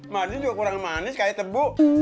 madu juga kurang manis kayak tebu